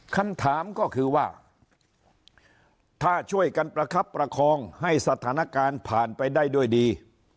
คำถามก็คือว่าถ้าช่วยกันประคับประคองให้สถานการณ์ผ่านไปได้ด้วยดี